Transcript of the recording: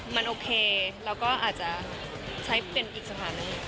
มันโอเคเราก็อาจจะใช้เป็นอีกสถานหนึ่ง